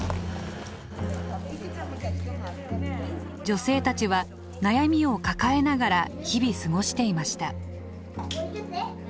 女性たちは悩みを抱えながら日々過ごしていました。